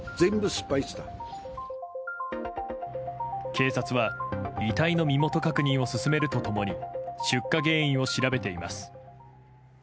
警察は、遺体の身元確認を進めると共に出火原因を調べています。